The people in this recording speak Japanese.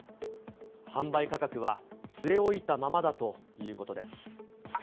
販売価格は据え置いたままだということです。